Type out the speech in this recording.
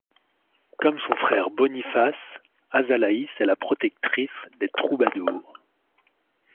Comme son frère Boniface, Azalaïs est la protectrice des troubadours.